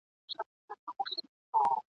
د غوايی چي به یې ږغ وو اورېدلی ..